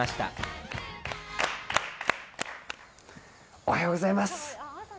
おはようございます。